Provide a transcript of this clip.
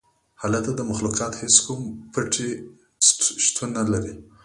هلته د ملخانو هیڅ کوم پټی شتون نلري